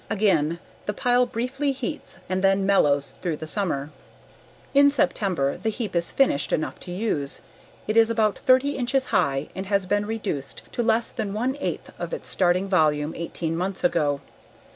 Again the pile briefly heats and then mellows through the summer. In September the heap is finished enough to use. It is about thirty inches high and has been reduced to less than one eighth of its starting volume eighteen months ago.